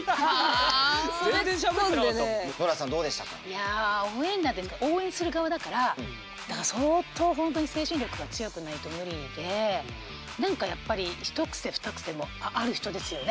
いや応援団って応援する側だからだから相当ほんとに精神力が強くないと無理で何かやっぱり一癖二癖もある人ですよね？